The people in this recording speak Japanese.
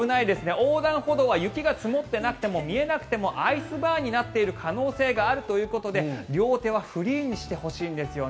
横断歩道は雪が積もっていなくても見えなくてもアイスバーンになっている可能性があるということで両手はフリーにしてほしいんですよね。